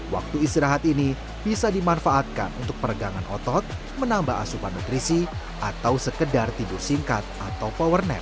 waktu istirahat ini bisa dimanfaatkan untuk peregangan otot menambah asupan nutrisi atau sekedar tidur singkat atau power net